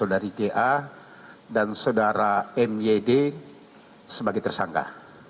dari ga dan saudara myd sebagai tersangka